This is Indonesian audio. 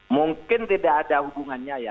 mungkin tidak ada hubungannya ya